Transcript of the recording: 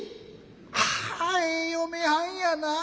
『ああええ嫁はんやなあ。